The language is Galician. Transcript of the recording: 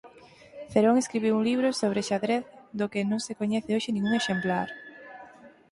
Cerón escribiu un libro sobre xadrez do que non se coñece hoxe ningún exemplar.